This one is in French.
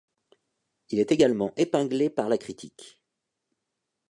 Il est également épinglé par la critique.